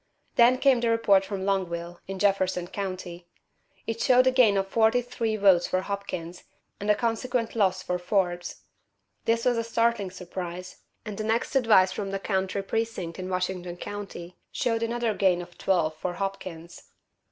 Then came a report from Longville, in Jefferson County. It showed a gain of forty three votes for Hopkins, and a consequent loss for Forbes. This was a startling surprise, and the next advice from a country precinct in Washington County showed another gain of twelve for Hopkins.